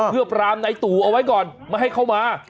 เพื่อปรามในตู่เอาไว้ก่อนไม่ให้เข้ามา